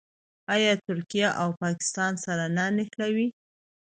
آیا ترکیه او پاکستان سره نه نښلوي؟